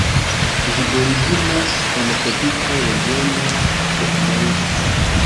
Ĝi originas en tropikaj regionoj de Ameriko.